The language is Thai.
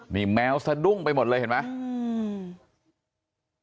มีแมวสดุ้งเป็นหมดเลยเห็นไหม